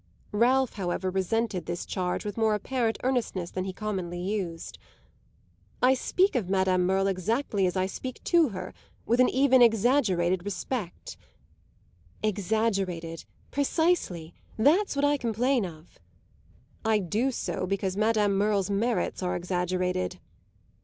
Ralph, however, resented this charge with more apparent earnestness than he commonly used. "I speak of Madame Merle exactly as I speak to her: with an even exaggerated respect." "Exaggerated, precisely. That's what I complain of." "I do so because Madame Merle's merits are exaggerated."